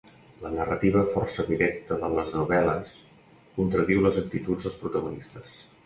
La narrativa força directa de la novel·la contradiu les actituds dels protagonistes.